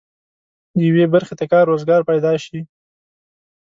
یوې برخې ته کار روزګار پيدا شي.